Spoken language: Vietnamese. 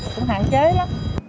cũng hạn chế lắm